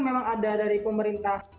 memang ada dari pemerintah